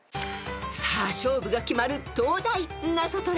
［さあ勝負が決まる東大ナゾトレ］